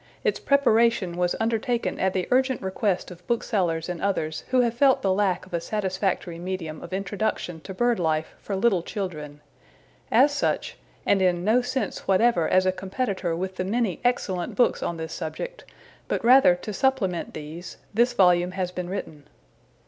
Its preparation was undertaken at the urgent request of booksellers and others who have felt the lack of a satisfactory medium of introduction to bird life for little children. As such, and in no sense whatever as a competitor with the many excellent books on this subject, but rather to supplement these, this volume has been written.